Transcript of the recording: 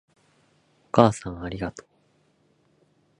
お母さんありがとう